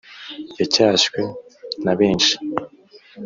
yacyashywe na benshi